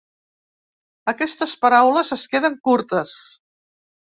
Aquestes paraules es queden curtes.